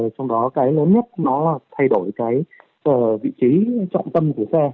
trong đó cái lớn nhất nó là thay đổi cái vị trí trọng tâm của xe